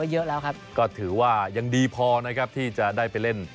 หรือยังดีพอที่จะได้ไปเล่น